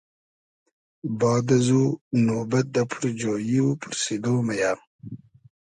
باد ازو نوبئد دۂ پورجویی و پورسیدۉ مئیۂ